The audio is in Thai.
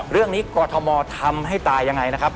เรื่องนี้กอทมทำให้ตายยังไงนะครับ